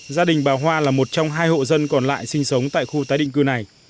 gia đình bà hoa là một trong hai hộ dân còn lại sinh sống tại khu tái định cư này